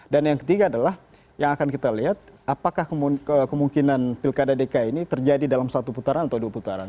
dan yang ketiga adalah yang akan kita lihat apakah kemungkinan pilkada adki ini terjadi dalam satu putaran atau dua putaran